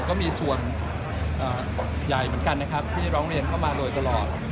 ก็มีส่วนใหญ่เหมือนกันนะครับที่ร้องเรียนเข้ามาโดยตลอด